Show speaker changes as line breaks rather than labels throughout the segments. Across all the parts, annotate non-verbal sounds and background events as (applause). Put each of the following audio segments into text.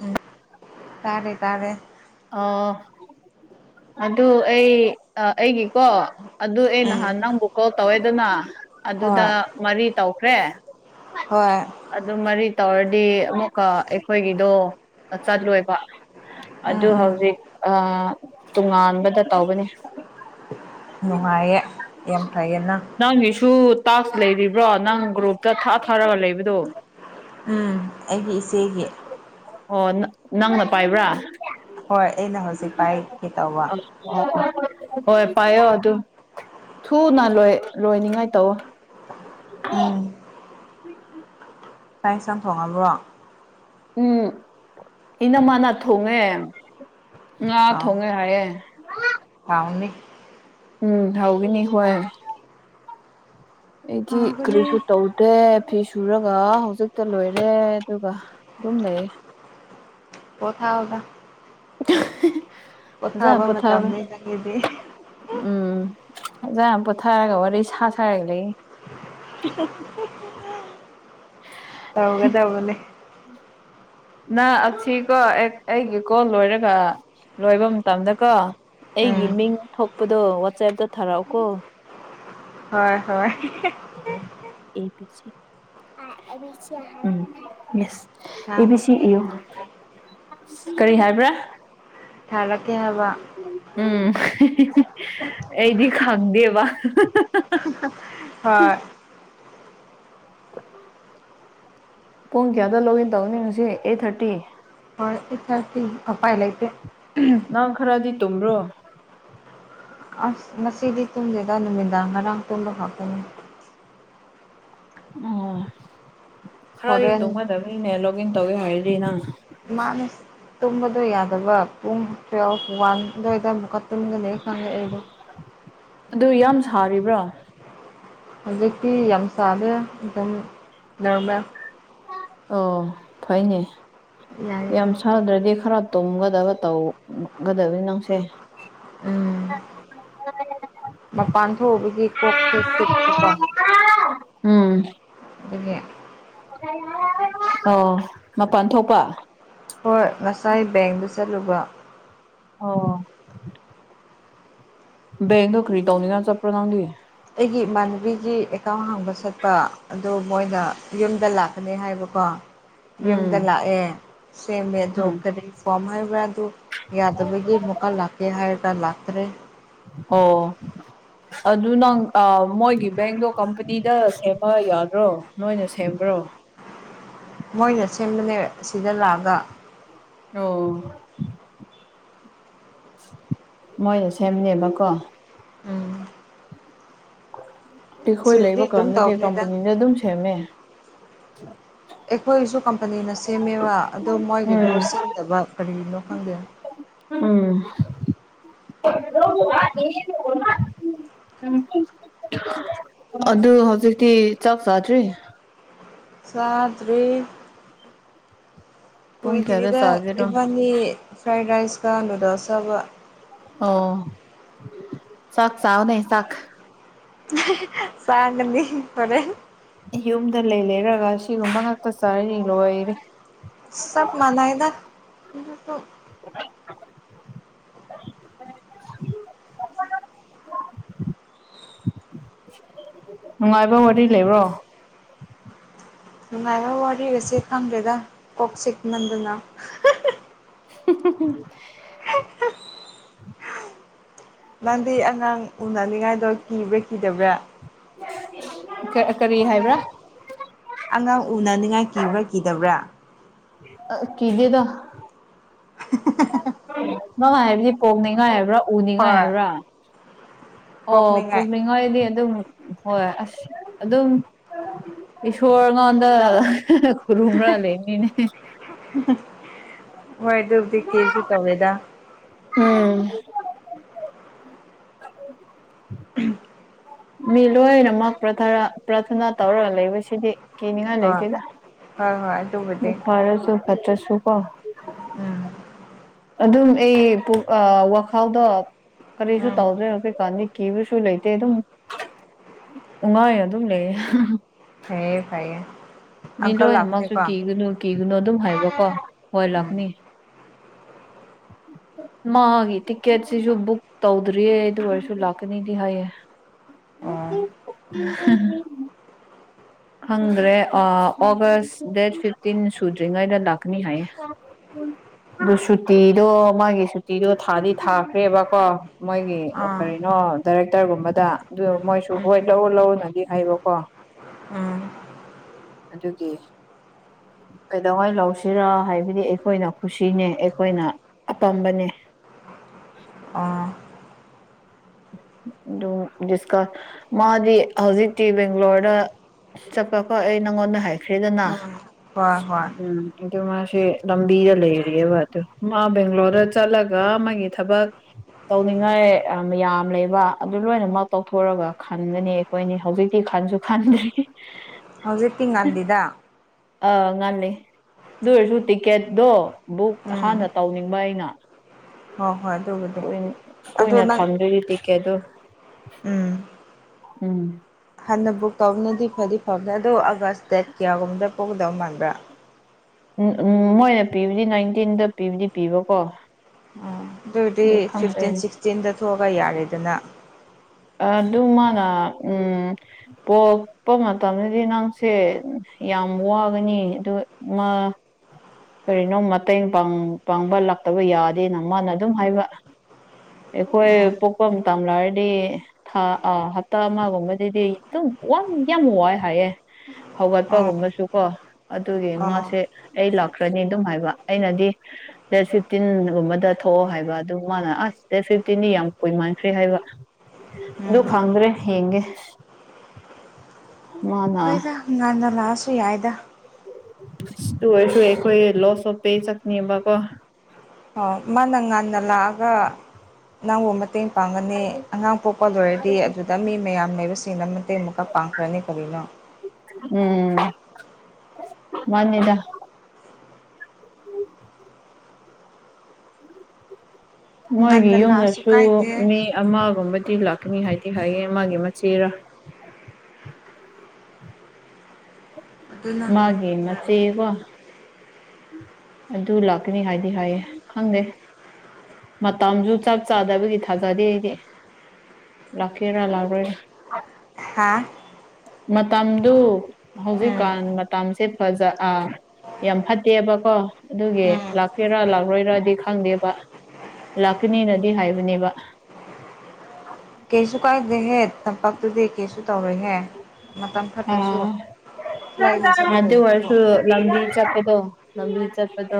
ꯎꯝ ꯇꯥꯔꯦ ꯇꯥꯔꯦ
ꯑꯣ ꯑꯗꯨ ꯑꯩ ꯑꯩꯒꯤꯀꯣ ꯑꯗꯨ ꯑꯩ ꯅꯍꯥꯟ
ꯎꯝ
ꯅꯪꯕꯨ ꯀꯣꯜ ꯇꯧꯋꯦꯗꯅ ꯑꯗꯨꯗ
ꯍꯣꯏ
ꯃꯔꯤ ꯇꯧꯈ꯭ꯔꯦ
ꯍꯣꯏ
ꯑꯗꯨ ꯃꯔꯤ ꯇꯧꯔꯗꯤ ꯑꯃꯨꯛꯀ ꯑꯩꯈꯣꯏꯒꯤꯗꯣ ꯆꯠꯂꯣꯏꯕ ꯑꯗꯨ
ꯎꯝ ꯎꯝ
ꯍꯧꯖꯤꯛ ꯇꯣꯉꯥꯟꯕꯗ ꯇꯧꯒꯅꯤ
ꯅꯨꯡꯉꯥꯏꯌꯦ ꯌꯥꯝ ꯐꯩꯌꯦꯅꯪ
ꯅꯪꯒꯤꯁꯨ ꯇꯥꯛꯁ ꯂꯩꯔꯤꯕ꯭ꯔꯣ ꯅꯪ ꯒ꯭ꯔꯨꯞꯇ ꯊꯥ ꯊꯥꯔꯒ ꯂꯩꯕꯗꯣ
ꯎ ꯑꯩꯒꯤ ꯏꯆꯦꯒꯤ
ꯑꯣ ꯅꯪꯅ ꯄꯥꯏꯕ꯭ꯔꯥ
ꯍꯣꯏ ꯑꯩꯅ ꯍꯧꯖꯤꯛ ꯄꯥꯏꯒꯦ ꯇꯧꯕ
ꯑꯣ ꯍꯣꯏ ꯄꯥꯏꯌꯣ ꯑꯗꯨ ꯊꯨꯅ ꯂꯣꯏ ꯂꯣꯏꯅꯤꯡꯉꯥꯏ ꯇꯧꯋ
ꯎꯝ
ꯎꯝ
ꯆꯥꯛ ꯆꯥꯡ ꯊꯣꯡꯉꯕ꯭ꯔꯣ
ꯎꯝ ꯏꯅꯃꯅ ꯊꯣꯡꯉꯦ ꯉꯥ ꯊꯣꯡꯉꯦ ꯍꯥꯏꯌꯦꯦ
ꯍꯥꯎꯥꯎꯅꯤ
ꯎꯝ ꯍꯧꯒꯅꯤ ꯑꯩ ꯍꯣꯏ ꯑꯩꯒꯤ
ꯍꯥꯎꯕꯅꯦ
ꯀ꯭ꯔꯤꯁ ꯇꯧ ꯗꯦ ꯐꯤ ꯁꯨꯔꯒ ꯍꯧꯖꯤꯛꯇ ꯂꯣꯏꯔꯦ ꯑꯗꯨꯒ ꯑꯗꯨꯝ ꯂꯩꯌꯦ
ꯀꯣꯊꯥ ꯑꯣꯒ
(inaudible) ꯐꯖꯅ
ꯄꯣꯊꯥꯕ ꯃꯇꯝꯅꯤ ꯆꯪꯒꯤꯗꯤ
ꯎꯝꯖ ꯄꯣꯊꯔꯒ ꯋꯥꯔꯤ ꯁꯥ ꯁꯥꯒ ꯂꯩ
ꯇꯧꯒ ꯇꯧꯕꯅꯦ
ꯅ ꯑꯁꯤꯀꯣ ꯑꯩꯒꯤ ꯀꯣꯜ ꯂꯣꯏꯔꯒ ꯂꯣꯏꯕ ꯃꯇꯝꯗꯀꯣ
ꯎꯝ
ꯑꯩꯒꯤ ꯃꯤꯡ ꯊꯣꯛꯄꯗꯣ ꯋꯥꯆꯦꯞꯇ ꯊꯥꯔꯛꯑꯣꯀꯣ (inaudible)
ꯍꯣꯏ ꯍꯣꯏ
ꯎꯝ ꯌꯦꯁ
ꯍ
ꯑꯦ ꯕꯤ
ꯍ
ꯁꯤ ꯏꯌꯨ
ꯊꯦ
ꯀꯔꯤ ꯍꯥꯏꯕ꯭ꯔꯥ
ꯊꯥꯔꯛꯀꯦ ꯍꯥꯏꯕ
ꯎꯝ ꯑꯩꯗꯤ ꯈꯪꯗꯦꯕ
ꯍꯣꯏ
ꯄꯨꯡ ꯀꯌꯥꯗ ꯂꯣꯛ ꯏꯟ ꯇꯧꯍꯅꯤꯡꯉꯁꯤ ꯑꯩꯠ ꯊꯥꯔꯇꯤ
ꯍ ꯏ ꯆ ꯉꯄꯥꯏ ꯂꯩꯇꯦ
ꯅꯪ ꯈꯔꯗꯤ ꯇꯨꯝꯕ꯭ꯔꯣ
ꯑꯁ ꯉꯁꯤꯗꯤ ꯇꯨꯝꯁꯤꯗ ꯅꯨꯃꯤꯗꯥꯡ ꯉꯔꯥꯡ ꯇꯨꯝꯕ ꯈꯥꯎꯀꯅꯤ
ꯑꯣ ꯈꯔꯗꯤ
ꯍꯣꯔꯦꯟ
ꯇꯣꯡꯒꯗꯕꯅꯤꯅꯦ ꯂꯣꯛꯒ ꯏꯟ ꯇꯧꯒꯦ ꯍꯥꯏꯔꯗꯤ ꯅꯪ
ꯃꯥꯅꯤꯁ ꯇꯨꯝꯕꯗꯣ ꯌꯥꯗꯕ ꯄꯨꯡ ꯇꯨꯌꯦꯜꯐ ꯋꯥꯟ ꯑꯗꯨꯋꯥꯏꯗ ꯑꯃꯨꯛꯀ ꯇꯨꯝꯒꯅꯤ ꯈꯪꯉꯦ ꯑꯩꯗꯣ
ꯑꯗꯨ ꯌꯥꯝ ꯁꯥꯔꯤꯕ꯭ꯔꯣ
ꯍꯧꯖꯤꯛꯇꯤ ꯌꯥꯝ ꯆꯥꯔꯦ ꯑꯗꯨꯝ ꯅꯔꯃꯦ
ꯑꯣ ꯐꯩꯅꯦ
ꯌꯥꯏꯌꯦ
ꯌꯥꯝ
ꯍꯣꯏ
ꯁꯥꯗ꯭ꯔꯗꯤ ꯈꯔ ꯇꯨꯝꯒꯗꯕ ꯇꯧꯒꯗꯕꯅꯤ ꯅꯪꯁꯦ
ꯎꯝ
(inaudible)
ꯃꯄꯥꯟ ꯊꯣꯛꯎꯕꯒꯤ ꯀꯣꯛꯁꯦ ꯆꯤꯛꯄ
ꯎꯝ
ꯑꯗꯨꯗꯒꯤ
ꯑꯣ ꯃꯄꯥꯟ ꯊꯣꯛꯄ
ꯍꯣꯏ ꯉꯁꯥꯏ ꯕꯦꯡꯗ ꯆꯠꯂꯨꯕ
ꯑꯣ ꯕꯦꯡꯗꯣ ꯀꯔꯤ ꯇꯧꯅꯤꯉꯥꯏ ꯆꯠꯄ꯭ꯔꯣ ꯅꯪꯗꯤ
ꯑꯩꯒꯤ ꯏꯃꯥꯟꯅꯕꯤꯒꯤ ꯑꯦꯀꯥꯎꯟ ꯍꯥꯡꯕ ꯆꯠꯄ ꯑꯗꯨ ꯃꯣꯏꯅ ꯌꯨꯝꯗ ꯂꯥꯛꯀꯅꯤ ꯍꯥꯏꯕꯀꯣ
(inaudible)
ꯌꯨꯝꯗ ꯂꯥꯛꯑꯦ ꯁꯦꯝꯃꯦꯗꯣ
ꯎꯝ
ꯀꯔꯤ ꯀꯣꯝ ꯍꯥꯏꯕ꯭ꯔꯥ ꯑꯗꯨ ꯌꯥꯗꯕꯒꯤ ꯑꯃꯨꯛꯀ ꯂꯥꯛꯀꯦ ꯍꯥꯏꯔꯒ ꯂꯥꯛꯇ꯭ꯔꯦ
ꯑꯣ ꯑꯗꯨ ꯅꯪ ꯃꯣꯏꯒꯤ ꯕꯦꯡꯗꯣ ꯀꯝꯄꯅꯤꯗ ꯁꯦꯝꯕ ꯌꯥꯗ꯭ꯔꯣ ꯅꯣꯏꯅ ꯁꯦꯝꯕ꯭ꯔꯣ
ꯃꯣꯏꯅ ꯁꯦꯝꯕꯅꯦ ꯁꯤꯗ ꯂꯥꯛꯑꯒ
ꯑꯣ ꯃꯣꯏꯅ ꯁꯦꯝꯅꯦꯕꯀꯣ
ꯎꯝ
ꯇꯈꯣꯏ ꯂꯩꯕ
ꯁꯤꯗꯗꯤ ꯑꯗꯨꯝ
ꯀꯥꯟꯗꯅꯦ
ꯇꯧꯕꯅꯤꯗ
ꯀꯝꯄꯅꯤꯅ ꯑꯗꯨꯝ ꯁꯦꯝꯃꯦ
ꯑꯩꯈꯣꯏꯁꯨ ꯀꯝꯄꯅꯤꯅ ꯁꯦꯝꯃꯦꯕ ꯑꯗꯣ ꯃꯣꯏꯒꯤꯗꯣ
ꯎꯝ
ꯁꯦꯝꯗꯕ ꯀꯔꯤꯒꯤꯅꯣ ꯈꯪꯗꯦ
ꯎꯝ (unintelligible) ꯑꯗꯨ ꯍꯧꯖꯤꯛꯇꯤ ꯆꯥꯛ ꯆꯥꯗ꯭ꯔꯤ
ꯆꯥꯗ꯭ꯔꯤ
ꯄꯨꯡ ꯀꯌꯥꯗ
ꯀꯨꯏꯗ꯭ꯔꯤꯗ
ꯆꯥꯒꯦꯔꯣ
ꯏꯕꯥꯅꯤ ꯐ꯭ꯔꯥꯏ ꯔꯥꯏꯁꯀ ꯅꯨꯗꯜꯁ ꯁꯕ
ꯑꯣ ꯆꯥꯛ ꯆꯥꯎꯅꯦ ꯆꯥꯛ
(unintelligible) ꯆꯥꯡꯒꯅꯤ ꯍꯣꯔꯦꯟ
ꯌꯨꯝꯗ ꯂꯩ ꯂꯩꯔꯒ ꯁꯤꯒꯨꯝꯕ ꯉꯥꯛꯛꯇ ꯆꯥꯔꯗꯤ ꯂꯣꯏꯔꯦ
ꯁ ꯆꯞ ꯃꯅꯩꯗ (inaudible)
(unintelligible) (unintelligible) ꯅꯨꯡꯉꯥꯏꯕ ꯋꯥꯔꯤ ꯂꯩꯕ꯭ꯔꯣ
ꯅꯨꯡꯉꯥꯏꯕ ꯋꯥꯔꯤꯒꯁꯤ ꯈꯪꯗꯦꯗ ꯀꯣꯛ ꯆꯤꯛꯃꯟꯗꯅ (unintelligible)
(unintelligible)
ꯅꯪꯗꯤ ꯑꯉꯥꯡ ꯎꯅꯅꯤꯡꯉꯥꯏꯗꯣ ꯀꯤꯕ꯭ꯔꯥ ꯀꯤꯗꯕ꯭ꯔꯥ
(unintelligible) ꯀꯔꯤ ꯍꯥꯏꯕ꯭ꯔꯥ
ꯑꯉꯥꯡ ꯎꯅꯅꯤ ꯉꯥꯏ ꯀꯕ꯭ꯔꯥ ꯀꯗꯕ꯭ꯔꯥ
ꯑ ꯀꯤꯗꯦꯗ
(unintelligible)
(unintelligible) ꯍꯥꯏꯕꯗꯤ ꯄꯣꯛꯅꯤꯉꯥꯏ ꯍꯥꯏꯕ꯭ꯔꯥ ꯎꯅꯤꯉꯥꯏ
ꯍꯣꯏ
ꯍꯥꯏꯕ꯭ꯔꯥ ꯑꯣ
ꯄꯣꯛꯅꯤꯡꯉꯥꯏ
ꯄꯨꯣꯛꯅꯤꯡꯉꯥꯏꯗꯤ ꯑꯗꯨꯝ ꯍꯣꯏ ꯑꯁ ꯑꯗꯨꯝ ꯏꯁꯣꯔꯉꯣꯟꯗ ꯈꯨꯔꯨꯝ ꯔ ꯂꯩꯕꯅꯤꯅꯦ
ꯍꯣꯏ ꯑꯗꯨꯗꯤ ꯀꯦꯁꯨ ꯇꯧꯗꯦꯗ
ꯎꯝ ꯃꯤ ꯂꯣꯏꯅꯃꯛ ꯄ꯭ꯔꯊꯔ ꯄ꯭ꯔꯥꯊꯅꯥ ꯇꯧꯔꯒ ꯂꯩꯕꯁꯤꯗꯤ ꯀꯤꯅꯤꯡꯉꯥꯏ
ꯍꯣꯏ
ꯂꯩꯇꯦꯗ
ꯍꯣꯏ ꯍꯣꯏ ꯑꯗꯨꯕꯨꯗꯤ
(unintelligible) ꯐꯥꯔꯁꯨ ꯐꯠꯇ꯭ꯔꯁꯨ ꯀꯣ
ꯎꯝ
ꯑꯗꯨꯝ ꯑꯩ ꯄꯨꯛ ꯑ ꯋꯥꯈꯜꯗꯣ ꯀꯔꯤꯁꯨ
ꯎꯝ
ꯇꯧꯗ꯭ꯔꯦ ꯀꯩꯀꯥꯟꯗꯤ ꯀꯤꯕꯁꯨ ꯂꯩꯇꯦ ꯑꯗꯨꯝ ꯅꯨꯡꯉꯥꯏ ꯑꯗꯨꯝ ꯂꯩꯌꯦ
ꯐꯩꯌꯦ ꯐꯩꯌꯦ
ꯃꯤ
ꯑꯪꯀꯜ
ꯂꯣꯏꯅꯃꯛꯁꯨ
ꯂꯥꯛꯄꯅꯦꯀꯣ
ꯀꯤꯒꯨꯅꯨ ꯀꯤꯒꯨꯅꯨ ꯑꯗꯨꯝ ꯍꯥꯏꯕꯀꯣ ꯍꯣꯏ
ꯎꯝ
ꯂꯥꯛꯀꯅꯤ ꯎꯝ ꯃꯥꯒꯤ ꯇꯤꯛꯀꯦꯠꯁꯤꯁꯨ ꯕꯨꯛ ꯇꯧꯗ꯭ꯔꯤꯌꯦ ꯑꯗꯨ ꯑꯣꯏꯔꯁꯨ ꯂꯥꯛꯀꯅꯤꯗꯤ ꯍꯥꯏꯌꯦ
ꯑꯣ ꯑꯥ
(unintelligible) ꯈꯪꯗ꯭ꯔꯦ ꯑ ꯑꯣꯒꯁ ꯗꯦꯠ ꯐꯤꯐꯇꯤꯟ ꯁꯨꯗ꯭ꯔꯤꯉꯩꯗ ꯂꯥꯛꯀꯅꯤ ꯍꯥꯏꯌꯦ ꯗꯨ ꯁꯨꯇꯤꯗꯣ ꯃꯥꯒꯤ ꯁꯨꯇꯤꯗꯣ ꯊꯥꯗꯤ ꯊꯥꯈ꯭ꯔꯦꯕꯀꯣ ꯃꯣꯏꯒꯤ ꯀꯔꯤꯅꯣ ꯗꯥꯏꯔꯦꯛꯇꯔꯒꯨꯝꯕꯗ ꯑꯗꯨ ꯃꯣꯏꯁꯨ
ꯎꯝ
ꯍꯣꯏ ꯂꯧꯎ ꯂꯧꯎꯅꯗꯤ ꯍꯥꯏꯕꯀꯣ
ꯎꯝ
ꯑꯗꯨꯒꯤ ꯀꯩꯗꯧꯉꯥꯩ ꯂꯧꯁꯤꯔꯥ ꯍꯥꯏꯕꯗꯤ ꯑꯩꯈꯣꯏꯅ ꯈꯨꯁꯤꯅꯦ ꯑꯩꯈꯣꯏꯅ ꯑꯄꯥꯝꯕꯅꯦ
ꯑꯥ
ꯑꯗꯨ ꯗꯤꯁꯀꯠ ꯃꯥꯗꯤ ꯍꯧꯖꯤꯛꯇꯤ ꯕꯦꯡꯒ꯭ꯂꯣꯔꯗꯥ ꯆꯠꯄꯀꯣ ꯑꯩ ꯅꯪꯉꯣꯟꯗ ꯍꯥꯏꯈ꯭ꯔꯦꯗꯅ
ꯎꯝ ꯍꯣꯏ ꯍꯣꯏ
ꯎꯝ ꯑꯗꯨ ꯃꯥꯁꯦ ꯂꯝꯕꯤꯗ ꯂꯩꯔꯤꯑꯕ ꯑꯗꯨ ꯃꯥ ꯕꯦꯡꯒ꯭ꯂꯣꯔꯗ ꯆꯠꯂꯒ ꯃꯥꯒꯤ ꯊꯕꯛ ꯇꯧꯅꯤꯡꯉꯥꯏ ꯑ ꯌꯥꯝ ꯂꯩꯕ ꯑꯗꯨ ꯂꯣꯏꯅꯃꯛ ꯇꯧꯊꯣꯔꯒ ꯈꯟꯒꯅꯤ ꯑꯩꯈꯣꯏꯅꯤ ꯍꯧꯖꯤꯛꯇꯤ ꯈꯟꯁꯨ ꯈꯟꯗ꯭ꯔꯤ (unintelligible)
ꯍꯧꯖꯤꯛꯇꯤ ꯉꯟꯗꯦꯗ
ꯑꯥ ꯉꯜꯂꯤ ꯑꯗꯨ ꯑꯣꯏꯔꯁꯨ ꯇꯤꯛꯀꯦꯠꯇꯣ ꯕꯨꯛ ꯍꯥꯟꯅ ꯇꯧꯅꯤꯡꯕ ꯑꯩꯅ
ꯍꯣ ꯍꯣꯏ ꯑꯗꯨꯕꯨ
(unintelligible) ꯀꯨꯏꯅ ꯊꯝꯗ꯭ꯔꯗꯤ ꯇꯤꯛꯀꯦꯠꯇꯨ
ꯎꯝ
ꯎꯝ
ꯍꯥꯟꯅ ꯕꯨꯛ ꯇꯧꯕꯅꯗꯤ ꯐꯗꯤ ꯐꯕꯅꯤ ꯑꯗꯣ ꯑꯥꯒꯁ ꯗꯦꯠ ꯀꯌꯥꯒꯨꯝꯕꯗ ꯄꯨꯣꯛꯒꯗꯧ ꯃꯥꯟꯕ꯭ꯔꯥ
ꯎꯝ ꯎꯝ ꯃꯣꯏꯅ ꯄꯤꯕꯗꯤ ꯅꯥꯏꯟꯇꯤꯟꯗ ꯄꯤꯕꯗꯤ ꯄꯤꯕꯀꯣ
ꯑꯗꯨꯗꯤ
ꯑꯗꯨ ꯈꯪꯗꯣꯏꯅꯦ
ꯐꯤꯐꯇꯤꯟ ꯁꯤꯛꯁꯇꯤꯟꯗ ꯊꯣꯛꯑꯒ ꯌꯥꯔꯦꯗꯅ
ꯑꯗꯨ ꯃꯥꯅ ꯎꯝ ꯄꯣꯛꯄ ꯃꯇꯝꯗꯗꯤ ꯅꯪꯁꯦ ꯌꯥꯝ ꯋꯥꯒꯅꯤ ꯑꯗꯨ ꯃꯥ ꯀꯔꯤꯅꯣ ꯃꯇꯦꯡ ꯄꯥꯡ ꯄꯥꯡꯕ ꯂꯥꯛꯇꯕ ꯌꯥꯗꯦꯅ ꯃꯥꯅ ꯑꯗꯨꯝ ꯍꯥꯏꯕ ꯑꯩꯈꯣꯏ
ꯎꯝ
ꯄꯣꯛꯄ ꯃꯇꯝ ꯂꯥꯥꯛꯔꯗꯤ ꯊꯥ ꯑꯥ ꯍꯞꯇꯥ ꯑꯃꯒꯨꯝꯕꯗꯗꯤ ꯑꯗꯨꯝ ꯋꯥꯝ ꯌꯥꯝ ꯋꯥꯏ ꯍꯥꯏꯌꯦ
ꯑꯥ
ꯍꯧꯒꯠꯄꯒꯨꯝꯕꯁꯨꯀꯣ ꯑꯗꯨꯒꯤ
ꯑꯥ
ꯃꯥꯁꯦ ꯑꯩ ꯂꯥꯛ ꯈ꯭ꯔꯅꯤ ꯑꯗꯨꯝ ꯍꯥꯏꯕ ꯑꯩꯅꯗꯤ ꯗꯦꯠ ꯐꯤꯞꯇꯤꯟꯒꯨꯝꯕꯗ ꯊꯣꯛꯑꯣ ꯍꯥꯏꯕ ꯑꯗꯨ ꯃꯥꯅ ꯑꯁ ꯗꯦꯠ ꯐꯤꯞꯇꯤꯟꯗꯤ ꯌꯥꯝ ꯀꯨꯏꯃꯥꯟꯈ꯭ꯔꯦ ꯍꯥꯏꯕ ꯑꯗꯨ
ꯎꯝ
ꯈꯪꯗ꯭ꯔꯦ ꯌꯦꯡꯒꯦ ꯃꯥꯅ
ꯍꯣꯏꯗꯥ ꯉꯟꯅ ꯂꯥꯛꯑꯁꯨ ꯌꯥꯏꯗ
ꯑꯗꯨ ꯑꯣꯏꯔꯁꯨ ꯑꯩꯈꯣꯏ ꯂꯣꯁ ꯑꯣꯞꯄꯦ ꯆꯠꯀꯅꯦꯕꯀꯣ
ꯑꯧ ꯃꯥꯅ ꯉꯟꯅ ꯂꯥꯛꯑꯒ ꯅꯪꯕꯨ ꯃꯇꯦꯡ ꯄꯥꯡꯒꯅꯤ ꯑꯉꯥꯡ ꯄꯣꯛꯄ ꯂꯣꯏꯔꯗꯤ ꯑꯗꯨꯗ ꯃꯤ ꯃꯌꯥꯝ ꯂꯩꯕꯁꯤꯡ ꯑꯃ ꯇꯦꯡ ꯑꯃꯨꯛꯀ ꯄꯥꯡꯈ꯭ꯔꯅꯤ ꯀꯔꯤꯅꯣ
ꯎꯝ ꯃꯥꯅꯤꯗ ꯃꯣꯏꯒꯤ
ꯉꯟꯅ ꯂꯥꯛꯑꯁꯨ
ꯌꯨꯝꯗꯁꯨ
ꯀꯥꯏꯗꯦ
ꯃꯤ ꯑꯃꯒꯨꯝꯕꯗꯤ ꯂꯥꯛꯀꯅꯤ ꯍꯥꯏꯗꯤ ꯍꯥꯏꯌꯦ ꯃꯥꯒꯤ ꯃꯆꯦꯔꯥ
ꯑꯗꯨꯅ
ꯃꯥꯒꯤ
ꯍꯦꯟꯅ ꯐꯔꯦ
ꯃꯆꯦ ꯀꯣ ꯑꯗꯨ ꯂꯥꯛꯀꯅꯤ ꯍꯥꯏꯗꯤ ꯍꯥꯏꯌꯦ ꯈꯪꯗꯦ ꯃꯇꯝꯖꯨ ꯆꯞ ꯆꯥꯗꯕꯒꯤ ꯊꯥꯖꯗꯦ ꯑꯩꯗꯤ ꯂꯥꯛꯀꯦꯔ ꯂꯥꯛꯔꯣꯏꯔ
ꯍꯥꯥ
ꯃꯇꯝꯗꯨ
ꯎꯝ
ꯍꯧꯖꯤꯛꯀꯥꯟ ꯃꯇꯝꯁꯦ ꯐꯖ ꯑ ꯌꯥꯝ ꯐꯠꯇꯦꯕꯀꯣ ꯑꯗꯨꯒꯤ
ꯎꯝ
ꯂꯥꯛꯀꯦꯔꯥ ꯂꯥꯛꯂꯣꯏꯔꯗꯤ ꯈꯪꯗꯦꯕꯥ ꯂꯥꯛꯀꯅꯤꯅꯗꯤ ꯍꯥꯏꯕꯅꯦꯕ
ꯀꯩꯁꯨ ꯀꯥꯏꯗꯦꯍꯦ ꯇꯝꯄꯥꯛꯇꯨꯗꯤ ꯀꯩꯁꯨ ꯇꯧꯔꯣꯏꯍꯦ ꯃꯇꯝ ꯐꯠꯇ꯭ꯔꯁꯨ
ꯑꯥ
ꯂꯥꯏꯅ
ꯑꯗꯨ ꯑꯣꯏꯔꯁꯨ
ꯆꯠꯀꯗꯧꯕꯗꯨꯕꯨ
ꯂꯝꯕꯤ ꯆꯠꯄꯗꯣ ꯂꯝꯕꯤ ꯆꯠꯄꯗꯣ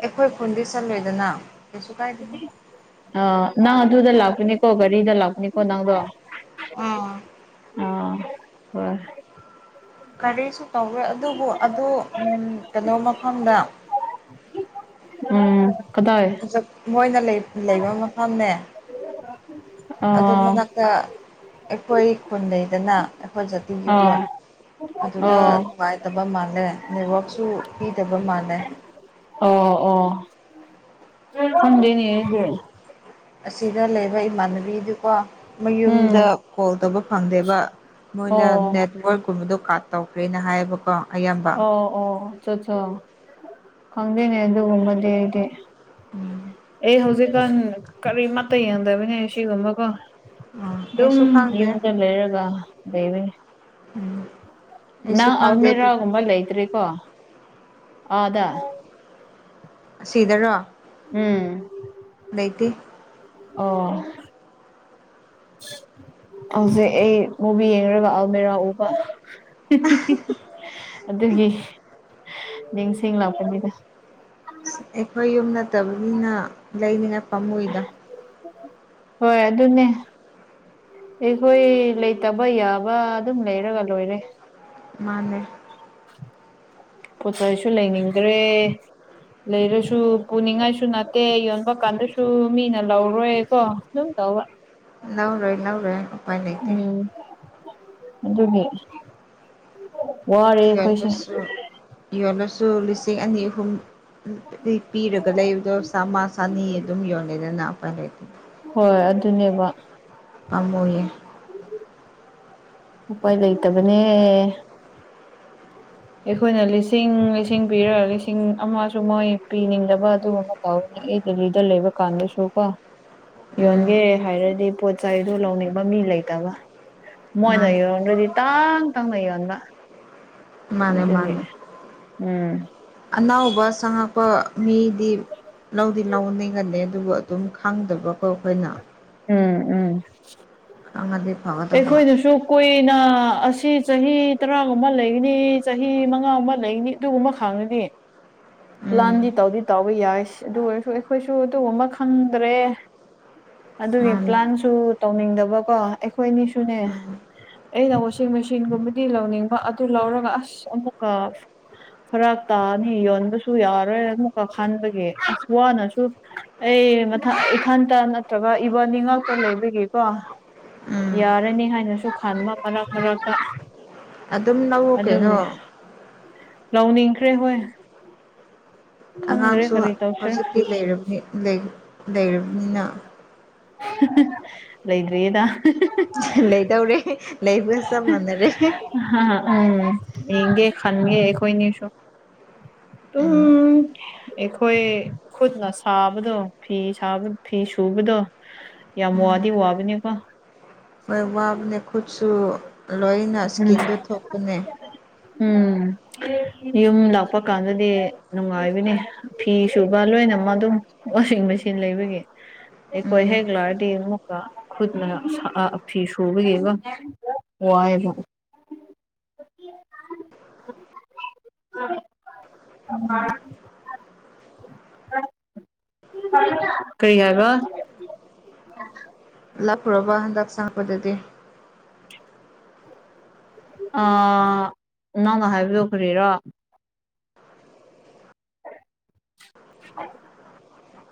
ꯑꯩꯈꯣꯏ ꯈꯨꯟꯗꯤ ꯆꯠꯂꯣꯏꯗꯅ ꯀꯩꯁꯨ ꯀꯥꯏꯗꯦꯍꯦ
ꯑ ꯅꯪ ꯑꯗꯨꯗ ꯂꯥꯛꯄꯅꯤꯀꯣ ꯒꯥꯔꯤꯗ ꯂꯥꯛꯄꯅꯤꯀꯣ ꯅꯪꯗꯣ ꯑ
ꯑꯥ
ꯍꯣꯏ
ꯀꯔꯤꯁꯨ ꯇꯧꯔꯣꯏ ꯑꯗꯨꯕꯨ ꯑꯗꯣ ꯎꯝ ꯀꯩꯅꯣ ꯃꯐꯝꯗ
ꯎꯝ ꯀꯗꯥꯏ
ꯃꯣꯏꯅ ꯂꯩ ꯂꯩꯕ ꯃꯐꯝꯅꯦ
(inaudible)
ꯑꯗꯨ ꯃꯅꯥꯛꯇ ꯑꯩꯈꯣꯏ ꯈꯨꯟꯗꯩꯗꯅ ꯑꯩꯈꯣꯏꯠ ꯇꯒꯤ
ꯑꯥ
ꯐꯣꯟ ꯑꯗꯨꯗ
ꯑꯣ
ꯅꯨꯡꯉꯥꯏ ꯐꯠꯇꯕ ꯃꯥꯜꯂꯦ ꯅꯦꯠꯋꯥꯛꯁꯨ ꯄꯤꯗꯕ ꯃꯥꯜꯂꯦ
ꯑꯣ ꯑꯣ ꯁꯪꯗꯅꯦ
ꯑꯁꯤꯗ ꯂꯩꯕ ꯏꯃꯥꯟꯅꯕꯤꯗꯨꯀꯣ
ꯎꯝ
ꯃꯌꯨꯝꯗ ꯀꯣꯜ ꯇꯧꯕ ꯐꯪꯗꯦꯕ ꯃꯣꯏꯅ
ꯑꯣ
ꯅꯦꯠꯋꯔꯛ ꯁ꯭ꯀꯨꯜꯕꯗꯣ ꯀꯥꯠ ꯇꯧꯈ꯭ꯔꯦꯅ ꯍꯥꯏꯌꯦꯕꯀꯣ ꯑꯌꯥꯝꯕ
ꯑꯣ ꯑꯣ ꯆꯣ ꯆꯣ ꯈꯪꯗꯦꯅꯦ ꯑꯗꯨꯒꯨꯝꯕꯗꯤ ꯑꯩꯗꯤ
ꯎꯝ
ꯑꯩ ꯍꯧꯖꯤꯛꯀꯥꯟ ꯀꯔꯤꯃꯠꯇ ꯌꯦꯡꯗꯕꯅꯦ ꯑꯁꯤꯒꯨꯝꯕꯀꯣ
ꯎꯝ
ꯑꯗꯨꯝ
ꯑꯩꯁꯨ ꯈꯪꯗꯦ
ꯌꯨꯝꯗ ꯂꯩꯔꯒ ꯂꯩꯔꯦ
ꯎꯝ ꯑꯩꯁꯨ
ꯅꯪ
ꯈꯪꯗꯦ ꯑꯗꯨꯕꯨ
ꯑꯜꯃꯤꯔꯥꯒꯨꯝꯕ ꯂꯩꯇ꯭ꯔꯦꯀꯣ ꯑꯥꯗ
ꯑꯁꯤꯗꯔꯣ
ꯎꯝ
ꯂꯩꯇꯦ
ꯑꯣ ꯍꯧꯖꯤꯛ ꯑꯩ ꯃꯨꯚꯤ ꯌꯦꯡꯂꯒ ꯑꯜꯃꯤꯔꯥ ꯎꯕ ꯑꯗꯨꯒꯤ ꯅꯤꯡꯦꯡꯁꯤꯡꯦꯡ ꯂꯥꯛꯄꯅꯤꯗ
ꯑꯁ ꯑꯩꯈꯣꯏ ꯌꯨꯝ ꯅꯠꯇꯕꯅꯤꯅ ꯂꯩꯅꯤꯡꯉꯥꯏ ꯄꯥꯝꯃꯨꯣꯏꯗ
ꯍꯣꯏ ꯑꯗꯨꯅꯦ ꯑꯩꯈꯣꯏ ꯂꯩꯇꯕ ꯌꯥꯕ ꯑꯗꯨꯝ ꯂꯩꯔꯒ ꯂꯣꯏꯔꯦ
ꯃꯥꯅꯦ
ꯄꯣꯠ ꯆꯩ ꯆꯩꯁꯨ ꯂꯩꯅꯤꯡꯗ꯭ꯔꯦ ꯂꯩꯔꯁꯨ ꯄꯨꯅꯤꯡꯉꯥꯏꯁꯨ ꯅꯠꯇꯦ ꯌꯣꯟꯕ ꯀꯥꯟꯗꯁꯨ ꯃꯤꯅ ꯂꯧꯔꯣꯏ ꯀꯣ ꯑꯗꯨꯝ ꯇꯧꯕ
ꯅꯧ꯭ꯔꯦ ꯅꯧ꯭ꯔꯦ
ꯎꯝ ꯑꯗꯨꯒꯤ ꯋꯥꯔꯦ ꯑꯩꯈꯣꯏꯁꯦ
ꯌꯣꯟꯕꯁꯨ ꯌꯣꯜꯂꯁꯨ ꯂꯤꯁꯤꯡ ꯑꯅꯤ ꯑꯍꯨꯝ ꯄꯤꯔꯒ ꯂꯩꯕꯗꯣ ꯁꯥꯃ ꯁꯥꯅꯤ ꯑꯗꯨꯝ ꯌꯣꯜꯂꯦꯗꯅ ꯅꯥꯄꯔꯗꯤ
ꯍꯣꯏ ꯑꯗꯨꯅꯦꯕ
ꯄꯝꯃꯏ
ꯎꯈꯣꯏ ꯂꯩꯇꯕꯅꯦ ꯑꯩꯈꯣꯏꯅ ꯂꯤꯁꯤꯡ ꯂꯤꯁꯤꯡ ꯄꯤꯔꯒ ꯂꯤꯁꯤꯡ ꯑꯃꯁꯨ ꯃꯣꯏ ꯄꯤꯅꯤꯡꯗꯕ ꯑꯗꯨꯒꯨꯝꯕ ꯇꯧꯋꯅꯦ ꯑꯩ ꯗꯦꯜꯂꯤꯗ ꯂꯩꯕ ꯀꯥꯟꯗꯁꯨ ꯀꯣ
ꯎꯝ
ꯌꯣꯟꯒꯦꯔꯦ ꯍꯥꯏꯔꯗꯤ ꯄꯣꯠ ꯆꯩꯗꯨ ꯂꯧꯅꯤꯡꯕ ꯃꯤ ꯂꯩꯇꯕ ꯃꯣꯏꯅ
ꯃꯥꯅꯦ
ꯌꯣꯟꯗ꯭ꯔꯗꯤ ꯇꯥꯡ ꯇꯪꯅ ꯌꯣꯟꯕ
ꯃꯥꯅꯦ
ꯑꯗꯨꯒꯤ ꯎꯝ
ꯑꯅꯕ ꯆꯪꯉꯛꯄ ꯃꯤꯗꯤ ꯂꯧꯗꯤ ꯂꯧ ꯒꯅꯤ ꯑꯗꯨꯕꯨ ꯑꯗꯨꯝ ꯈꯪꯗꯕꯀꯣ ꯑꯩꯈꯣꯏꯅ
ꯎꯝ ꯎꯝ
ꯈꯪꯉꯗꯤ ꯐꯒꯗꯕ
ꯑꯩꯈꯣꯏꯅꯁꯨ ꯀꯣꯏꯅ ꯑꯁꯤ ꯆꯍꯤ ꯇꯔꯥꯒꯨꯝꯕ ꯂꯩꯒꯅꯤ ꯆꯍꯤ ꯃꯉꯥꯒꯨꯝꯕ ꯂꯩꯒꯅꯤ ꯑꯗꯨꯒꯨꯝꯕ ꯈꯥꯡꯉꯅꯤ
ꯎꯝ
ꯄ꯭ꯂꯥꯟꯗꯤ ꯇꯧꯗꯤ ꯇꯥꯎꯕ ꯌꯥꯏꯁ ꯑꯗꯨ ꯑꯣꯏꯔꯁꯨ ꯑꯩꯈꯣꯏꯁꯨ ꯑꯗꯨꯒꯨꯝꯕ ꯈꯪꯗ꯭ꯔꯦ ꯑꯗꯨꯒꯤ
ꯃꯥꯅꯤ
ꯄ꯭ꯂꯥꯟꯁꯨ ꯇꯧꯅꯤꯡꯗꯕꯀꯣ ꯑꯩꯈꯣꯏꯅꯤꯁꯨꯅꯦ
ꯎꯝ
ꯑꯩꯅ ꯋꯥꯁꯤꯡ ꯃꯦꯆꯤꯟꯒꯨꯝꯕꯗꯤ ꯂꯧꯅꯤꯡꯕ ꯑꯗꯨ ꯂꯧꯔꯒ ꯑꯁ ꯑꯃꯨꯛꯀ ꯐꯔꯥꯛ ꯇꯥꯅꯤ ꯌꯣꯟꯕꯁꯨ ꯌꯥꯔꯣꯏ ꯑꯃꯨꯛꯀ ꯈꯟꯕꯒꯤ ꯑ ꯋꯥꯅꯁꯨ ꯑꯩ ꯃꯊ ꯏꯊꯟꯇ ꯅꯠꯇ꯭ꯔꯒ ꯏꯕꯅꯤꯉꯥꯛꯇ ꯂꯩꯕꯒꯦꯀꯣ
ꯎꯝ
ꯌꯥꯔꯅꯤ ꯍꯥꯏꯅꯁꯨ ꯈꯟꯕ ꯃꯔꯛ ꯃꯔꯛꯇ
ꯑꯗꯨꯝ ꯂꯧꯋꯣ ꯀꯩꯅꯣ
ꯑꯗꯨꯅꯦ ꯂꯧꯅꯤꯡꯈ꯭ꯔꯦ ꯍꯣꯏ ꯈꯪꯗ꯭ꯔꯦ
ꯑꯉꯥꯡꯁꯨ
ꯀꯔꯤ ꯇꯧꯁꯤꯔ
ꯍꯧꯖꯤꯛꯇꯤ ꯂꯩꯔꯕꯅꯤꯅ
ꯂꯩꯗ꯭ꯔꯤꯌꯦꯗ
ꯂꯩꯗꯧꯔꯦ ꯂꯩꯕꯒ ꯆꯞ ꯃꯥꯟꯅꯔꯦ
ꯎꯝ ꯏꯒꯦ ꯈꯥꯟꯒꯦ ꯑꯩꯣꯏꯅꯤꯁꯨ ꯎꯝ ꯑꯩꯈꯣꯏ ꯈꯨꯠꯅ ꯁꯥꯕꯗꯣ ꯐꯤ ꯁꯥꯕ ꯐꯤ ꯁꯨꯕꯗꯣ ꯌꯥ ꯃꯨꯗꯤ ꯋꯥꯕꯤꯅꯤ ꯀ
ꯃꯣꯏ ꯋꯥꯕꯅꯦ ꯈꯨꯠꯁꯨ ꯂꯣꯏꯅ
ꯎꯝ
ꯏꯁꯀꯤꯟꯗꯣ ꯊꯣꯛꯄꯅꯦ
ꯎꯝ ꯌꯨꯝ ꯂꯥꯛꯄ ꯀꯥꯟꯗꯗꯤ ꯅꯨꯡꯉꯥꯏꯕꯅꯤ ꯐꯤ ꯁꯨꯕ ꯂꯣꯏꯅꯃꯛ ꯑꯗꯨꯝ ꯋꯥꯁꯤꯡ ꯃꯦꯆꯤꯟ ꯂꯩꯕꯒꯤ ꯑꯩꯀꯣꯏ
ꯎꯝ
ꯍꯦꯒꯂꯗꯤ ꯃꯨꯀ ꯈꯨꯠꯅ ꯐꯤ ꯁꯨꯕꯒꯤꯕ ꯋꯥꯏꯑꯕ ꯎꯝ ꯀꯩ ꯍꯥꯏꯒ
ꯂꯞꯄꯨꯔꯕ ꯍꯟꯗꯛ ꯆꯪꯉꯛꯄꯗꯗꯤ
ꯑ ꯅꯪꯅ ꯍꯥꯏꯕꯤꯌꯨꯈꯔꯤꯔꯣ ꯣ (unintelligible)